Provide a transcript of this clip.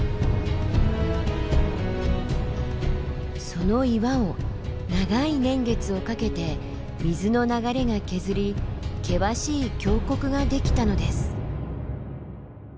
その岩を長い年月をかけて水の流れが削り険しい峡谷ができたのです。